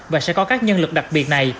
và sẽ có các nhân lực đặc biệt này